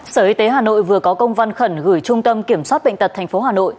sở y tế hà nội vừa có công văn khẩn gửi trung tâm kiểm soát bệnh tật tp hà nội